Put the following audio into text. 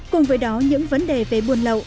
cùng với đó những vấn đề về buôn lậu